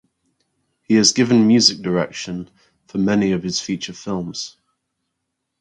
He has given music direction for many of his feature films.